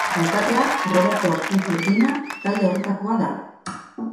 Alkatea, Roberto Ortiz Urbina, talde horretakoa da.